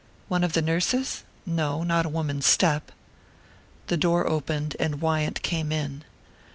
One of the nurses? No, not a woman's step The door opened, and Wyant came in.